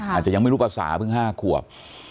อาจจะยังไม่รู้ประสาทึ่ง๕ควบ